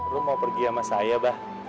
lo mau pergi sama saya bah